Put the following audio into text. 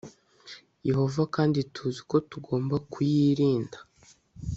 yehova kandi tuzi ko tugomba kuyirinda